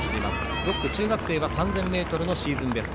６区、中学生は３０００ｍのシーズンベスト。